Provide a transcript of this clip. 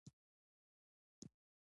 اداري شفافیت فساد راکموي